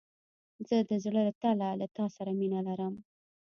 زه د زړه له تله له تا سره مينه لرم.